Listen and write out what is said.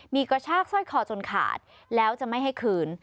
มีกระชากสร้อยคอจนขาดแล้วจะไม่ให้คืน